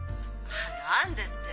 「何で」って。